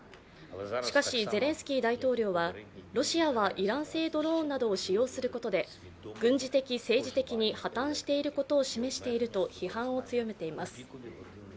しかし、ゼレンスキー大統領はロシアはイラン製ドローンなどを使用することで軍事的、政治的に破たんしていることを示していると批判を強めています。